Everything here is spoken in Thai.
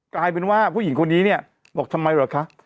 กลายเป็นว่าผู้หญิงคนนี้เนี่ยบอกทำไมเหรอคะ